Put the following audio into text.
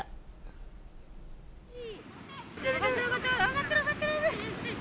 揚がってる、揚がってる。